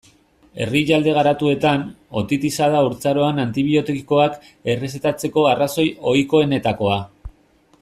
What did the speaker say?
Herrialde garatuetan, otitisa da haurtzaroan antibiotikoak errezetatzeko arrazoi ohikoenetakoa.